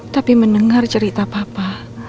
tapi mendengar cerita papa